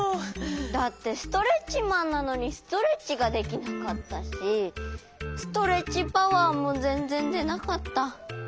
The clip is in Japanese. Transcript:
だってストレッチマンなのにストレッチができなかったしストレッチパワーもぜんぜんでなかった。